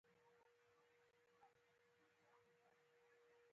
ژبه د معنوي ودي لاره ده.